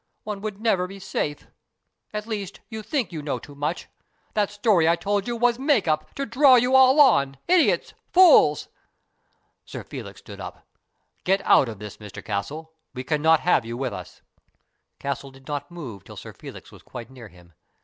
One would never be safe. At least, you think you know too much. That story I told you was make up, to draw you all on. Idiots ! Fools !" Sir Felix stood up. " Get out of this, Mr Castle. We cannot have you with us." Castle did not move till Sir Felix was quite near him.